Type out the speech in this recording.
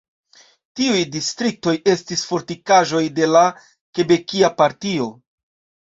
Tiuj distriktoj estis fortikaĵoj de la Kebekia Partio.